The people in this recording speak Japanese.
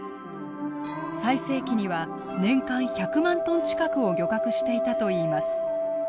最盛期には年間１００万トン近くを漁獲していたといいます。